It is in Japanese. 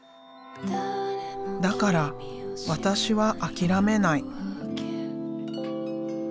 だからわたしは諦めない」。